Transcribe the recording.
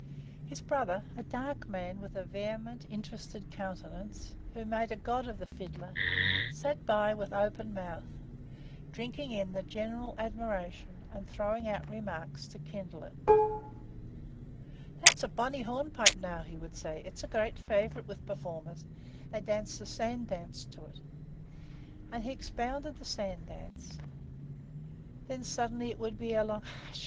His brother, a dark man with a vehement, interested countenance, who made a god of the fiddler, sat by with open mouth, drinking in the general admiration and throwing out remarks to kindle it. 'That's a bonny hornpipe now,' he would say, 'it's a great favourite with performers; they dance the sand dance to it.' And he expounded the sand dance. Then suddenly, it would be a long, 'Hush!